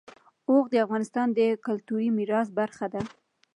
اوښ د افغانستان د کلتوري میراث برخه ده.